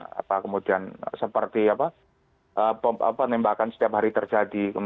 dan kemudian seperti apa nembakan setiap hari terjadi